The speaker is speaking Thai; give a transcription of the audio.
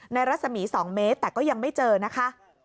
รัศมี๒เมตรแต่ก็ยังไม่เจอนะคะ